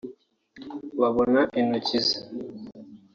babona intoki ze